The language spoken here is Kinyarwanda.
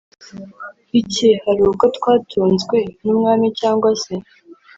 iki hari ubwo twatunzwe n umwami cyangwa se